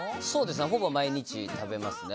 ほぼ毎日食べますね。